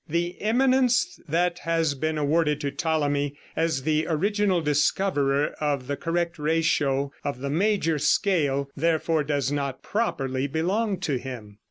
The eminence that has been awarded to Ptolemy as the original discoverer of the correct ratio of the major scale, therefore, does not properly belong to him.